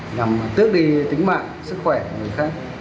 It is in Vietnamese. nhằm tước đi tính mạng sức khỏe người khác